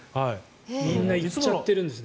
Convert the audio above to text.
みんな行っちゃってるんですね。